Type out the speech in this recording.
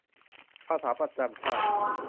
ภาษาประจำชาติ